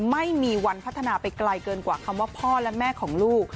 ไม่มีวันพัฒนาไปไกลเกินกว่าคำว่าพ่อและแม่ของลูก